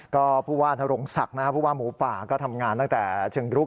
ก็ผู้ว่านรงศักดิ์นะครับผู้ว่าหมูป่าก็ทำงานตั้งแต่เชิงรุก